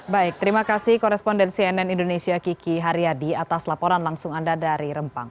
baik terima kasih koresponden cnn indonesia kiki haryadi atas laporan langsung anda dari rempang